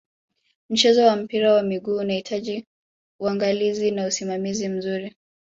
mchezo wa mpira wa miguu unahitaji unagalizi na usimamizi mzuri